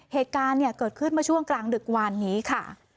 เหตุการณ์เกิดขึ้นมาช่วงกลางดึกวานนี้ค่ะ